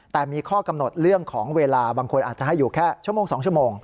แต่มีข้อกำหนดเรื่องของเวลาบางคนอาจจะให้อยู่แค่ชั่วโมง๒ชั่วโมง